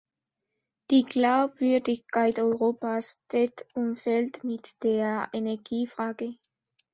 Die Glaubwürdigkeit Europas steht und fällt mit der Energiefrage.